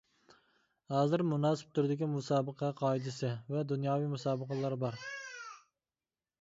ھازىر مۇناسىپ تۈردىكى مۇسابىقە قائىدىسى ۋە دۇنياۋى مۇسابىقىلىرى بار.